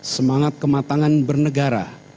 semangat kematangan bernegara